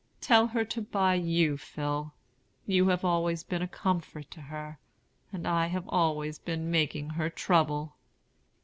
Tell her to buy you, Phil. You have always been a comfort to her; and I have always been making her trouble."